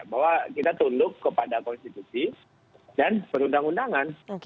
bahwa kita tunduk kepada konstitusi dan perundang undangan